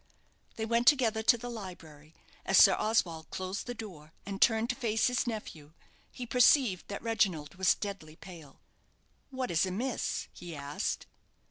They went together to the library. As Sir Oswald closed the door, and turned to face his nephew, he perceived that Reginald was deadly pale. "What is amiss?" he asked.